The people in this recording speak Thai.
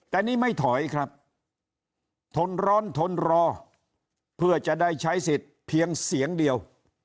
แต่นี่ไม่ถอยครับทนร้อนทนรอเพื่อจะได้ใช้สิทธิ์เพียงเสียงเดียว